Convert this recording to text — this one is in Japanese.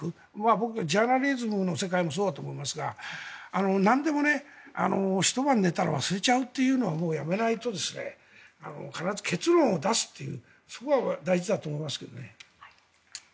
僕はジャーナリズムの世界もそうだと思いますがなんでも、ひと晩寝たら忘れちゃうというのはもうやめないと必ず結論を出すという。